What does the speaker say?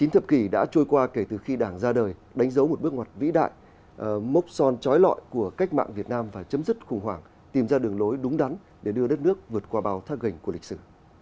chín thập kỷ đã trôi qua kể từ khi đảng ra đời đánh dấu một bước ngoặt vĩ đại mốc son trói lọi của cách mạng việt nam và chấm dứt khủng hoảng tìm ra đường lối đúng đắn để đưa đất nước vượt qua bao thác gành của lịch sử